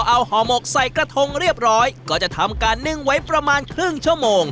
เอาห่อหมกใส่กระทงเรียบร้อยก็จะทำการนึ่งไว้ประมาณครึ่งชั่วโมง